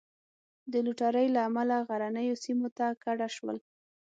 د لوټرۍ له امله غرنیو سیمو ته کډه شول.